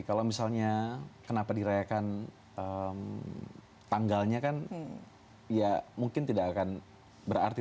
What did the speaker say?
kalau misalnya kenapa dirayakan tanggalnya kan ya mungkin tidak akan berarti